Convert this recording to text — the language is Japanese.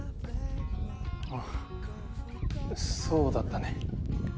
ああそうだったね。